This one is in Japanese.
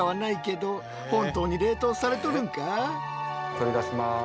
取り出します。